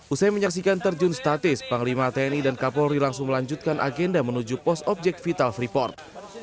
usai menyaksikan terjun statis panglima tni dan kapolri langsung melanjutkan agenda menuju pos objek vital freeport